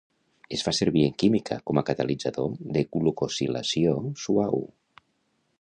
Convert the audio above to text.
Es fa servir en química com a catalitzador de glucosilació suau.